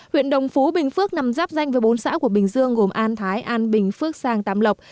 huyện đồng phú bình phước nằm giáp danh với bốn xã của bình dương gồm an thái an bình phước sang tam lộc